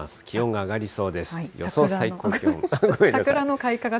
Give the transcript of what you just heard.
気温が上がりそうです。